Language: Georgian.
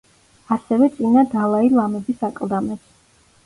ასევე წინა დალაი ლამების აკლდამებს.